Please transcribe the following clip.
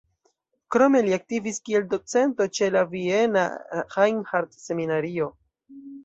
Krome li aktivis kiel docento ĉe la Viena Reinhardt-Seminario.